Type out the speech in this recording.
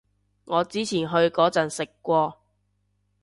我之前去嗰陣食過